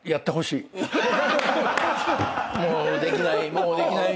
もうできない。